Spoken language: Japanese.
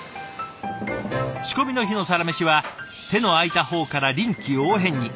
仕込みの日のサラメシは手の空いた方から臨機応変に。